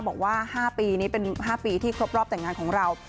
บอกว่า๕ปีนี้เป็น๕ปีที่ครบรอบแต่งงานของเรา